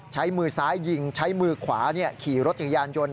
ใช้มือซ้ายยิงใช้มือขวาขี่รถจักรยานยนต์